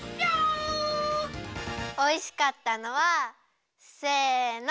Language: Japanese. おいしかったのはせの。